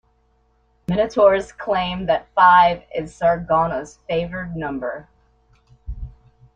Minotaurs claim that five is Sargonnas's favored number.